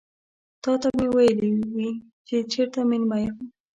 تاته به مې ويلي وي چې چيرته مېلمه یم.